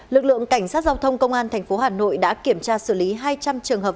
lực lượng cảnh sát giao thông công an tp hà nội đã kiểm tra xử lý hai trăm linh trường hợp